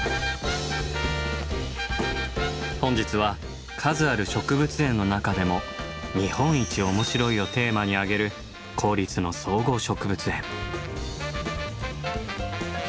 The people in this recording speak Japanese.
本日は数ある植物園の中でも「日本一おもしろい」をテーマにあげる公立の総合植物園。